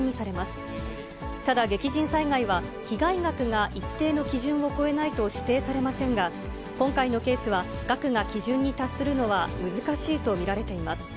ただ、激甚災害は被害額が一定の基準を超えないと指定されませんが、今回のケースは、額が基準に達するのは難しいと見られています。